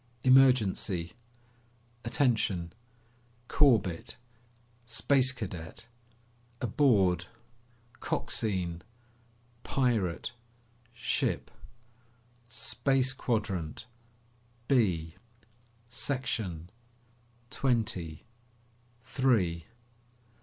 "... emergency ... attention ... Corbett ... Space Cadet ... aboard ... Coxine ... pirate ... ship ... space quadrant ... B ... section ... twenty ... three